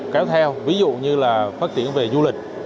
kéo theo ví dụ như là phát triển về du lịch